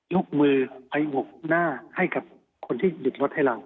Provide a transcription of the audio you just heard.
ยกมือขยงกหน้าให้กับคนที่หยุดรถให้เรา